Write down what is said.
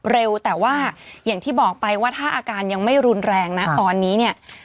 เร็วแต่ว่าอย่างที่บอกไปว่าถ้าอาการยังไม่รุนแรงนะตอนนี้เนี่ย